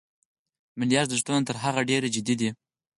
ملي ارزښتونه تر هغه ډېر جدي دي.